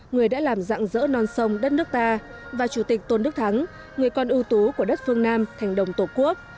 người đã làm dạng dỡ non sông đất nước ta và chủ tịch tôn đức thắng người con ưu tú của đất phương nam thành đồng tổ quốc